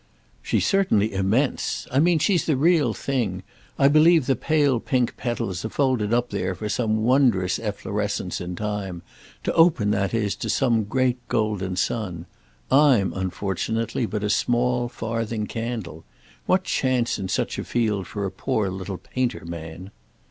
"She's certainly immense. I mean she's the real thing. I believe the pale pink petals are folded up there for some wondrous efflorescence in time; to open, that is, to some great golden sun. I'm unfortunately but a small farthing candle. What chance in such a field for a poor little painter man?"